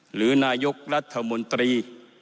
หรือนายกรัฐมนตรี